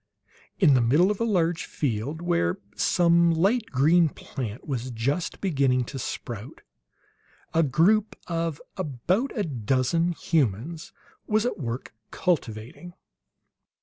In the middle of a large field, where some light green plant was just beginning to sprout, a group of about a dozen humans was at work cultivating.